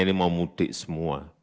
ini mau mudik semua